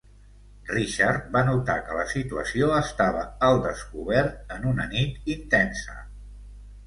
Richard va notar que la situació estava al descobert en una nit intensa.